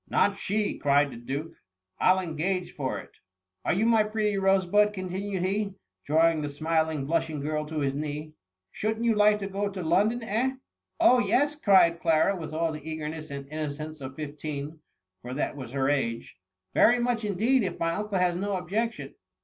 " Not she,'' cried the duke ;" I '11 engage for it ; are you my pretty rosebud P'' continued he, drawing the smiling, blushing girl to his knee. Shouldn't you like to go to London, eh ?^ Oh, yes," cried Clara, with all the eager ness and innocence of fifteen, for that was her age ;^* very much indeed, if my uncle has no objection."